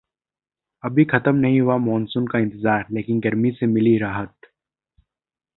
अभी खत्म नहीं हुआ मानसून का इंतजार, लेकिन गर्मी से मिली राहत